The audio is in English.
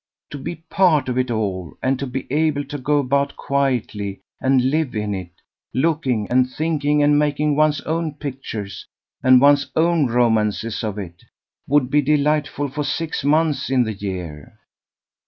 To be a part of it all, and to be able to go about quietly and live in it, looking and thinking and making one's own pictures and one's own romances of it, would be delightful for six months in the year.